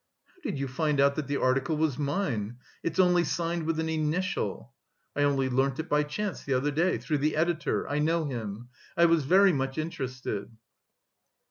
"How did you find out that the article was mine? It's only signed with an initial." "I only learnt it by chance, the other day. Through the editor; I know him.... I was very much interested."